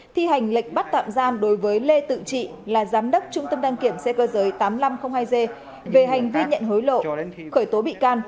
thi hành lệnh bắt tạm giam đối với lê tự trị là giám đốc trung tâm đăng kiểm xe cơ giới tám nghìn năm trăm linh hai g về hành vi nhận hối lộ khởi tố bị can